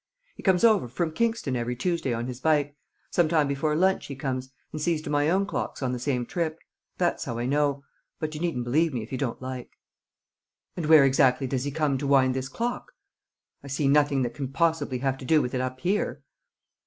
"He comes over from Kingston every Tuesday on his bike; some time before lunch he comes, and sees to my own clocks on the same trip. That's how I know. But you needn't believe me if you don't like." "And where exactly does he come to wind this clock? I see nothing that can possibly have to do with it up here."